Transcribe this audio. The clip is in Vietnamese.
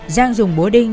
giang dùng búa đinh